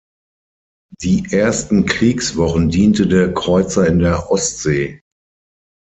Die ersten Kriegswochen diente der Kreuzer in der Ostsee.